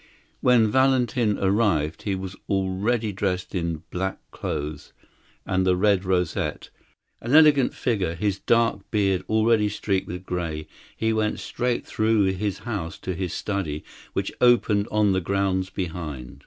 When Valentin arrived he was already dressed in black clothes and the red rosette an elegant figure, his dark beard already streaked with grey. He went straight through his house to his study, which opened on the grounds behind.